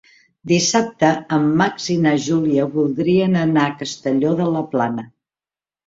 Dissabte en Max i na Júlia voldrien anar a Castelló de la Plana.